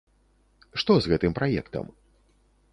Што з гэтым праектам?